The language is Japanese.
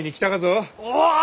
おお！